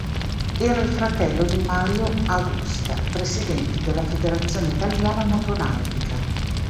Era il fratello di Mario Agusta, presidente della Federazione Italiana Motonautica.